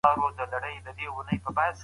برابره ستا دروېش ته زمينه ده